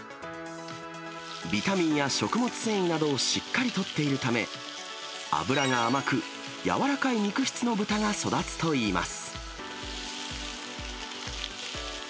ビタミンや食物繊維などをしっかりとっているため、脂が甘く、軟らかい肉質の豚が育つといいます。